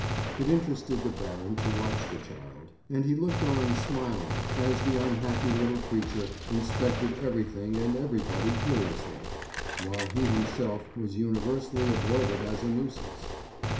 It interested the baron to watch the child, and he looked on smiling as the unhappy little creature inspected everything and everybody curiously, while he himself was universally avoided as a nuisance.